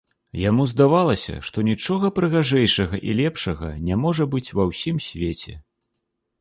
Яму здавалася, што нічога прыгажэйшага і лепшага не можа быць ва ўсім свеце.